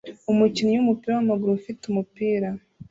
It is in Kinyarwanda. Umukinnyi wumupira wamaguru ufite umupira